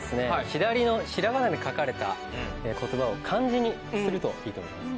左のひらがなで書かれた言葉を漢字にするといいと思います。